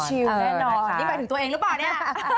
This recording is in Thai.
นี่ไปถึงตัวเองรึเปล่าเนี่ย